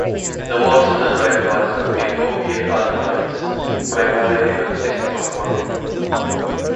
The walls of the dried pods contain opiate alkaloids, primarily consisting of morphine.